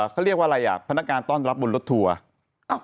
เขาเรียกว่าอะไรอ่ะพนักงานต้อนรับบนรถทัวร์